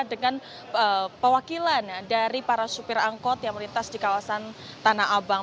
dengan pewakilan dari para sopir angkut yang melintas di kawasan tanah abang